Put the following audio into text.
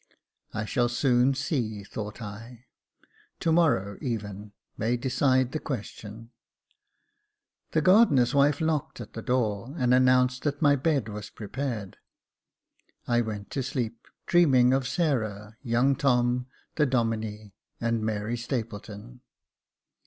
I shall soon see, thought I. To morrow, even, may decide the question. The gardener's wife knocked at the door, and announced that my bed was prepared. I went to sleep, dreaming of Sarah, young Tom, the Domine, and Mary Stapleton.